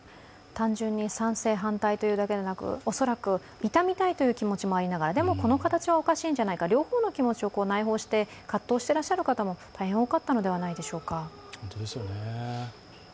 単純に賛成、反対というだけではなく恐らく悼みたいという気持ちもありながら、でもこの形はおかしいんじゃないか、両方の気持ちを内包して葛藤していらっしゃる方も大変多かったのではないでしょうか。